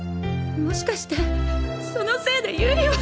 もしかしてそのせいでゆりは。